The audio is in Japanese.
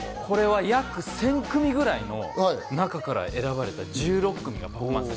約１０００組くらいの中から選ばれた１６組がパフォーマンス。